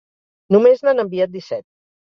Només n’han enviat disset.